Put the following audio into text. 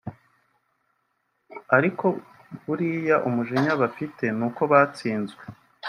ariko buriya umujinya bafite ni uko batsinzwe